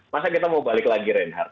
masa kita mau balik lagi reinhardt